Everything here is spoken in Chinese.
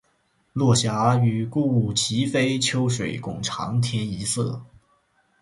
落霞与孤鹜齐飞，秋水共长天一色